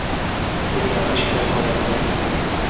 তিনি আবিষ্কার করেন নি।